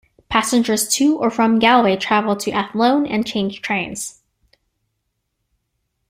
Passengers to or from Galway travel to Athlone and change trains.